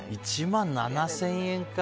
１万７０００円か。